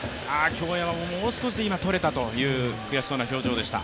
京山も、もう少しでとれていたという悔しそうな表情でした。